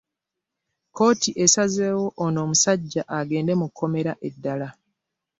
Kooti esaseewo ono omusajja agende mu komera eddala.